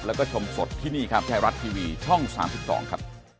แล้วก็ชมสดที่นี่ครับไทยรัฐทีวีช่อง๓๒ครับ